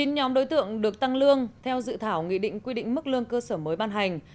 chín nhóm đối tượng được tăng lương theo dự thảo nghị định quy định mức lương cơ sở mới ban hành